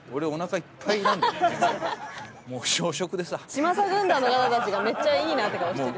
嶋佐軍団の方たちがめっちゃいいなって顔してる。